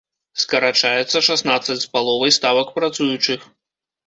Скарачаецца шаснаццаць з паловай ставак працуючых.